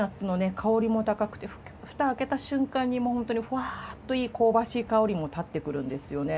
香りも高くてフタ開けた瞬間にもうホントにふわっと香ばしい香りも立ってくるんですよね。